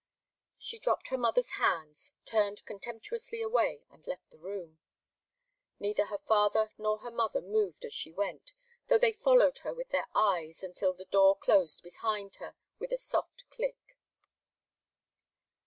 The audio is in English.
She dropped her mother's hands, turned contemptuously away, and left the room. Neither her father nor her mother moved as she went, though they followed her with their eyes until the door closed behind her with a soft click.